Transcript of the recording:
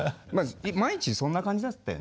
毎日そんな感じだったよね。